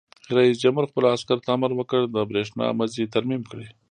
رئیس جمهور خپلو عسکرو ته امر وکړ؛ د برېښنا مزي ترمیم کړئ!